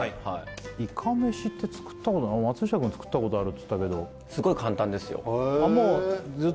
イカ飯って作ったことない松下君は作ったことあるっつったけどすごい簡単ですよあっ